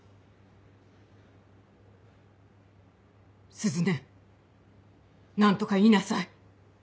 鈴音何とか言いなさい。